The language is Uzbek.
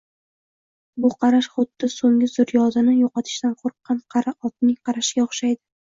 Bu qarash xuddi soʻnggi zurriyodini yoʻqotishdan qoʻrqqan qari otning qarashiga oʻxshaydi